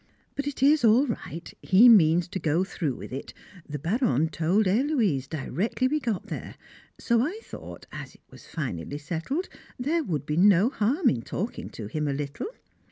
But it is all right, he means to go through with it the Baronne told Héloise directly we got there. So I thought, as it was finally settled, there would be no harm in talking to him a little.